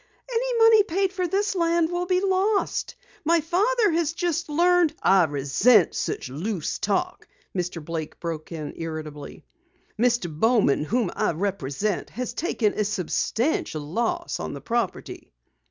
"Any money paid for this land will be lost! My father has just learned " "I resent such loose talk!" Mr. Blake broke in irritably. "Mr. Bowman, whom I represent, has taken a substantial loss on the property."